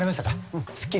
うんすっきり。